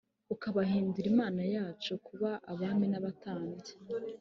ukabahindurira Imana yacu kuba abami n’abatambyi,